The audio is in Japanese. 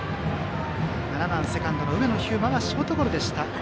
７番セカンド、上野飛馬はショートゴロでした。